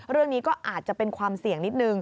เรื่องนี้ก็อาจจะเป็นความเสี่ยงนิดนึง